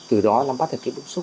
từ đó nắm bắt được những bước xúc